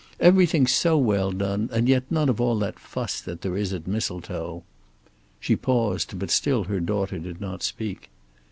"Everything so well done, and yet none of all that fuss that there is at Mistletoe." She paused but still her daughter did not speak.